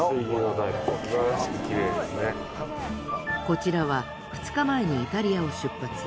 こちらは２日前にイタリアを出発。